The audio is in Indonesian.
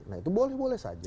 nah itu boleh boleh saja